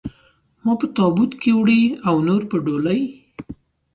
ما په تابوت کې وړي او نور په ډولۍ.